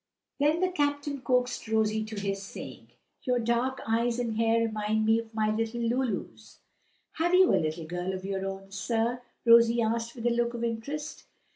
Then the captain coaxed Rosie to his, saying, "Your dark eyes and hair remind me of my little Lulu's." "Have you a little girl of your own, sir?" Rosie asked with a look of interest.